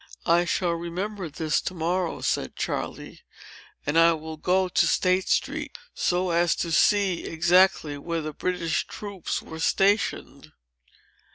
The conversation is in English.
"I shall remember this, to morrow," said Charley; "and I will go to State Street, so as to see exactly where the British troops were stationed."